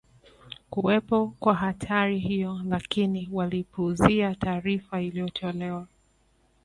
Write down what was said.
kuwepo kwa hatari hiyo lakini walipuuzia taarifa iliyotolewa